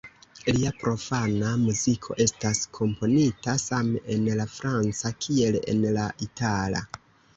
Lia profana muziko estas komponita same en la franca kiel en la itala.